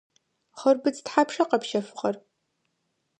Хъырбыдз тхьапша къэпщэфыгъэр?